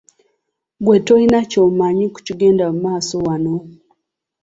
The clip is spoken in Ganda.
Gwe toyina ky'omanyi ku bigenda mu maaso wano.